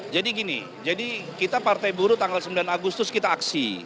jadi gini kita partai buruh tanggal sembilan agustus kita aksi